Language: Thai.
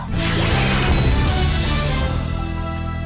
ทรง